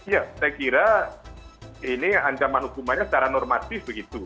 ya saya kira ini ancaman hukumannya secara normatif begitu